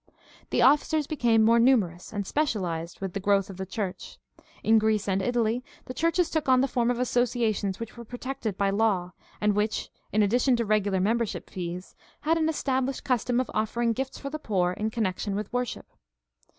The officers became more numerous and specialized with the growth of the church. In Greece and Italy the churches took on the form of associations which were protected by law and which, in addition to regular membership fees, had an established custom of offering gifts for the poor in connection with worship.